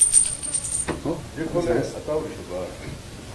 je kʰole atawruśa baa